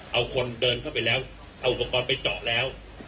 เอาคนเดินเข้าไปแล้วเอาอุปกรณ์ไปเจาะแล้ว